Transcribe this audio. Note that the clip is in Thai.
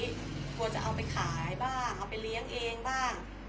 กลัวจะเอาไปขายบ้างเอาไปเลี้ยงเองบ้าง